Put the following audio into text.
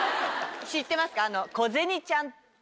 知ってますか？